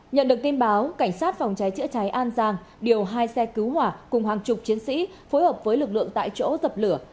nhận được tin báo cảnh sát phòng cháy chữa cháy an giang điều hai xe cứu hỏa cùng hàng chục chiến sĩ phối hợp với lực lượng tại chỗ dập lửa